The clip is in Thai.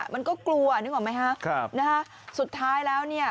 มันก็กลัวนึกออกไหมฮะครับนะฮะสุดท้ายแล้วเนี่ย